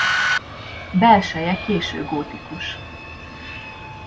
Belseje késő gótikus.